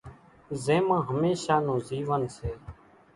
زين مان ھميشا نون زيون سي۔